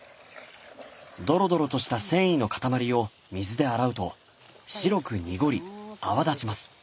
ドロドロとした繊維の塊を水で洗うと白く濁り泡立ちます。